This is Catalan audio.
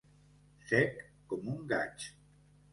Sec com un gaig.